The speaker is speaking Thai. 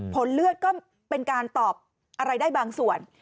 ผลเลือดก็เป็นการตอบอะไรได้บางส่วน